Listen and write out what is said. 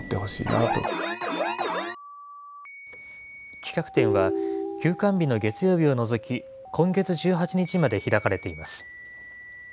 企画展は、休館日の月曜日を除き、今月１８日まで開かれています。